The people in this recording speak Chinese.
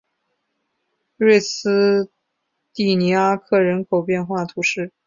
瑞斯蒂尼阿克人口变化图示